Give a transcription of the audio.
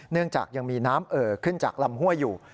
จากยังมีน้ำเอ่อขึ้นจากลำห้วยอยู่